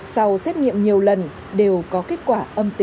sau xét nghiệm nhiều lần đều có kết quả